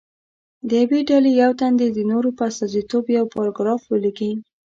د یوې ډلې یو تن دې د نورو په استازیتوب یو پاراګراف ولیکي.